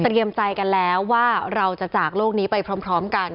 เรียมใจกันแล้วว่าเราจะจากโลกนี้ไปพร้อมกัน